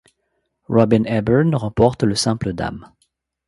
Robyn Ebbern remporte le simple dames.